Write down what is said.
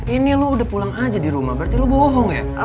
ini lo udah pulang aja di rumah berarti lo bohong ya